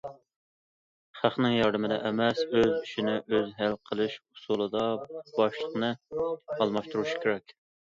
خەقنىڭ ياردىمىدە ئەمەس، ئۆز ئىشىنى ئۆزى ھەل قىلىش ئۇسۇلىدا باشلىقىنى ئالماشتۇرۇشى كېرەك.